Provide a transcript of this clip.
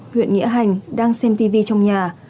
huyện nghĩa hành đang xem tivi trong nhà